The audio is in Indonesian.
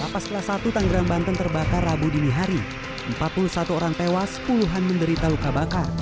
lapas kelas satu tanggerang banten terbakar rabu dini hari empat puluh satu orang tewas puluhan menderita luka bakar